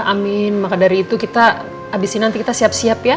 amin maka dari itu kita habis ini nanti kita siap siap ya